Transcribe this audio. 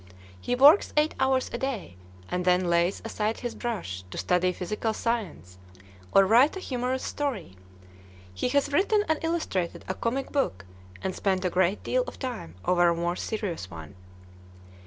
He works eight hours a day, and then lays aside his brush to study physical science, or write a humorous story. He has written and illustrated a comic book, and spent a great deal of time over a more serious one.